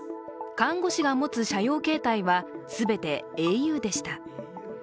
看護師が持つ社用携帯は全てａｕでした。